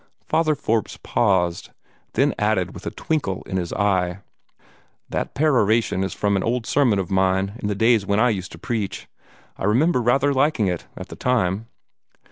Father Forbes paused, then added with a twinkle in his eye: "That peroration is from an old sermon of mine, in the days when I used to preach. I remember rather liking it, at the time."